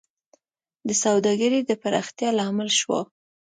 د سوداګرۍ د پراختیا لامل شوه